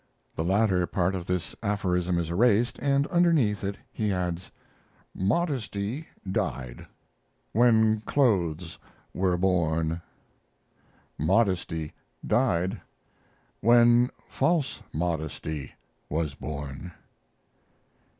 [The latter part of this aphorism is erased and underneath it he adds:] MODESTY DIED when clothes were born. MODESTY DIED when false modesty was born.